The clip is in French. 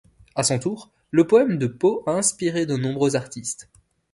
À son tour, le poème de Poe a inspiré de nombreux artistes.